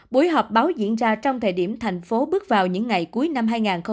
buổi họp báo diễn ra trong thời điểm thành phố bước vào những ngày cuối năm hai nghìn hai mươi